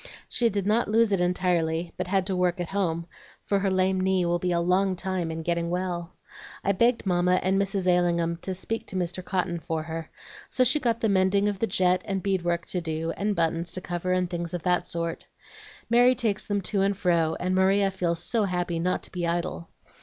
She did not lose it entirely, but had to work at home, for her lame knee will be a long time in getting well. I begged Mamma and Mrs. Ailingham to speak to Mr. Cotton for her; so she got the mending of the jet and bead work to do, and buttons to cover, and things of that sort. Mary takes them to and fro, and Maria feels so happy not to be idle.